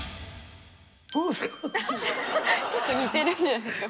ちょっと似てるんじゃないですか？